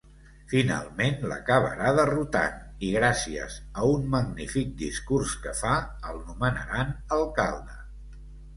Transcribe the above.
Finalment l'acabarà derrotant i gràcies a un magnífic discurs que fa, el nomenaran alcalde.